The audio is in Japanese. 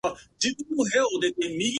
おでんはおいしいよ